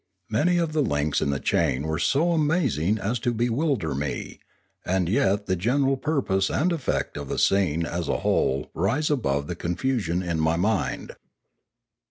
Many of the links in the chain were so amazing as to bewilder me, and yet the general pur pose and effect of the scene as a whole rise above the confusion in my mind.